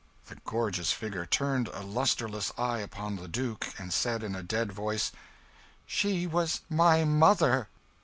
The gorgeous figure turned a lustreless eye upon the Duke, and said in a dead voice "She was my mother!"